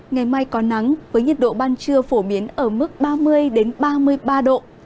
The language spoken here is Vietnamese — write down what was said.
ngày mai có nắng với nhiệt độ ban trưa phổ biến ở mức ba mươi ba mươi ba độ